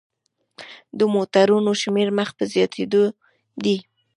د موټرونو شمیر مخ په زیاتیدو دی.